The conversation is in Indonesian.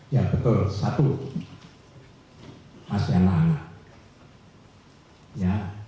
ya betul satu masyarakat